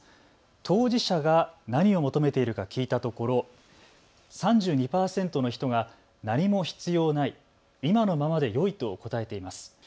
当事者が何を求めているか聞いたところ３２％の人が何も必要ない、今のままでよいと答えています。